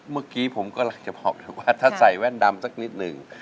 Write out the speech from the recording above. เมื่อกี้ผมกำลังจะบอกเลยว่าถ้าใส่แว่นดำสักนิดหนึ่ง